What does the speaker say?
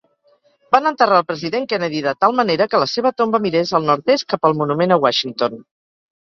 Van enterrar el president Kennedy de tal manera que la seva tomba mirés al nord-est cap al Monument a Washington.